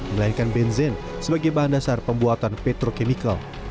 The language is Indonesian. melainkan benzen sebagai bahan dasar pembuatan petro kemikal